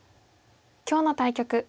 今日の対局